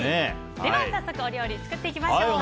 では、早速お料理を作っていきましょう。